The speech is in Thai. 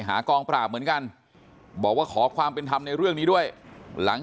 กองปราบเหมือนกันบอกว่าขอความเป็นธรรมในเรื่องนี้ด้วยหลัง